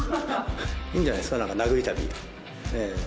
いいんじゃないですか？